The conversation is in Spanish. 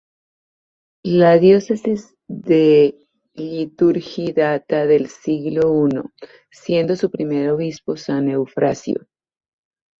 La diócesis de Iliturgi data del siglo I, siendo su primer obispo san Eufrasio.